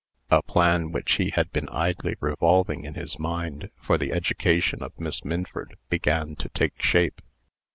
A plan which he had been idly revolving in his mind for the education of Miss Minford, began to take shape.